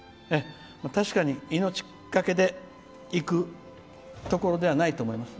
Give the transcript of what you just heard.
確かに命懸けで行くところではないと思います。